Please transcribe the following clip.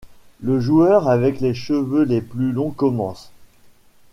Le joueur avec les cheveux les plus longs commence.